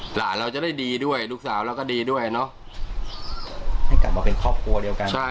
หลานเราจะได้ดีด้วยลูกสาวเราก็ดีด้วยเนอะ